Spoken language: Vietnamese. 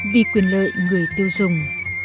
vì quyền lợi người tiêu dùng